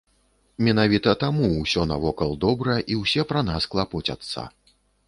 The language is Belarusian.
Менавіта таму усё навокал добра і ўсе пра нас клапоцяцца.